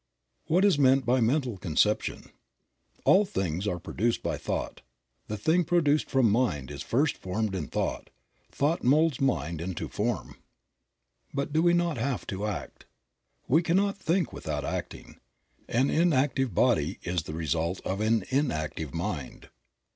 What is meant by mental conception? All things are produced by thought. The thing produced from mind is first formed in thought ; thought molds mind into form. But do we not have to act ? We cannot think without acting; an inactive body is the result of an inactive mind.